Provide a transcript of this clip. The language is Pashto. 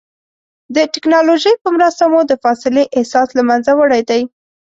د ټکنالوجۍ په مرسته مو د فاصلې احساس له منځه وړی دی.